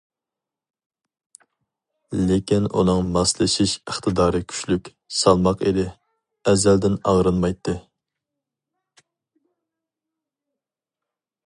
لېكىن ئۇنىڭ ماسلىشىش ئىقتىدارى كۈچلۈك، سالماق ئىدى، ئەزەلدىن ئاغرىنمايتتى.